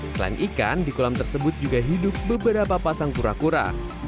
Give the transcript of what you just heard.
selain ikan di kolam tersebut juga hidup beberapa pasang kura kura